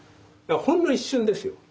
ほんの一瞬ですよ。